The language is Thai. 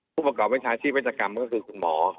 ผู้ประกอบวิทยาลัยชีพวิทยากรรมก็คือคุณหมอ